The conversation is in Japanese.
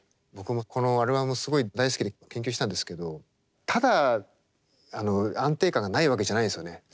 僕もこのアルバムすごい大好きで研究したんですけどただ安定感がないわけじゃないですよね。